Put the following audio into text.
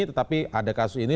tetapi ada kasus ini